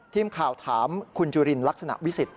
ทีมข่าวถามคุณจุลินลักษณะวิสิทธ